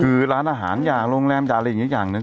คือร้านอาหารอย่างโรงแรมอย่างอะไรอย่างนี้อย่างหนึ่ง